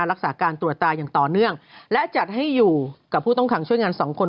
รักษาการตรวจตาอย่างต่อเนื่องและจัดให้อยู่กับผู้ต้องขังช่วยงานสองคน